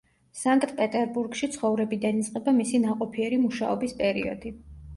სანკტ-პეტერბურგში ცხოვრებიდან იწყება მისი ნაყოფიერი მუშაობის პერიოდი.